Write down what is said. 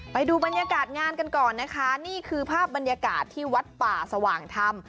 ไปดูบรรยากาศงานกันก่อนนะคะนี่คือภาพบรรยากาศที่วัดป่าสว่างธรรม